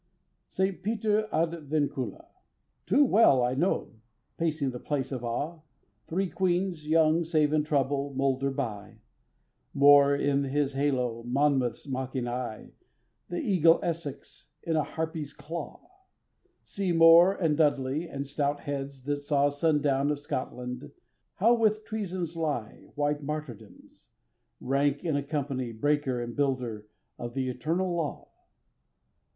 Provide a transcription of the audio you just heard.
St. Peter ad Vincula TOO well I know, pacing the place of awe, Three queens, young save in trouble, moulder by; More in his halo, Monmouth's mocking eye, The eagle Essex in a harpy's claw; Seymour and Dudley, and stout heads that saw Sundown of Scotland: how with treasons lie White martyrdoms; rank in a company Breaker and builder of the eternal law.